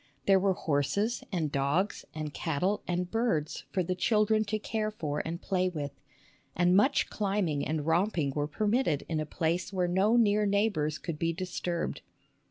There were horses and dogs and cattle and birds for the children to care for and play with, and much climbing and romping vi SUSAN COOLIDGE were permitted in a place where no near neighbors could be disturbed.